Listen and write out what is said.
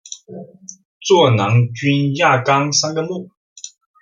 座囊菌亚纲三个目。